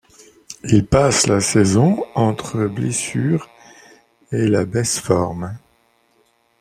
Il passe la saison entre blessures et la baisse forme.